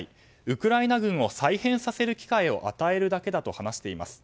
ウクライナ軍を再編させる機会を与えるだけだと話しています。